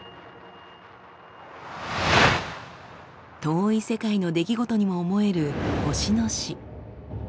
遠い世界の出来事にも思える星の死。